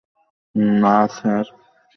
না, স্যার!